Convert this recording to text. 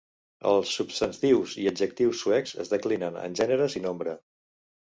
Els substantius i adjectius suecs es declinen en gèneres i nombre.